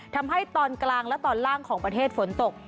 ทำให้ตอนกลางและตอนล่างของประเทศฝนตก